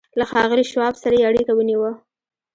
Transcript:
له ښاغلي شواب سره یې اړیکه ونیوه